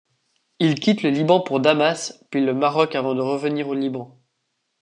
Il quitte le Liban pour Damas, puis le Maroc avant de revenir au Liban.